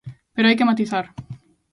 Pero hai que matizar.